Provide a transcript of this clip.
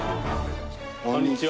こんにちは。